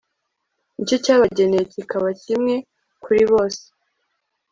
n'icyo yabageneye kikaba kimwe kuri bose